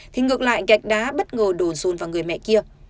thì ngược lại gạch đá bất ngờ đồn run vào người mẹ kia